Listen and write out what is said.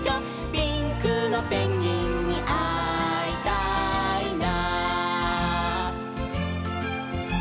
「ピンクのペンギンにあいたいな」